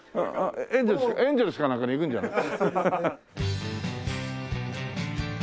エンゼルスかなんかに行くんじゃない？